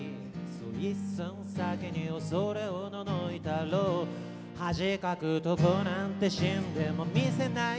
「そう一寸先に恐れ慄いたろう？」「恥かくとこなんて死んでも見せない」